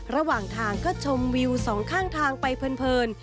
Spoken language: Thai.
ระหว่างทางก็ชมวิวสองข้างทางไปเพลิน